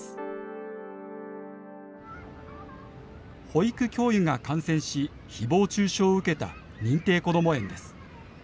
保育教諭が感染しひぼう中傷を受けた認定こども園です。